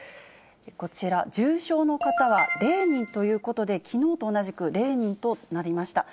こちら、重症の方は０人ということで、きのうと同じく０人となりました。